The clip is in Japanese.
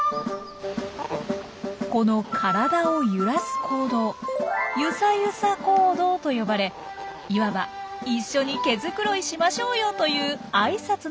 この体を揺らす行動「ゆさゆさ行動」と呼ばれいわば「一緒に毛づくろいしましょうよ」というあいさつのようなもの。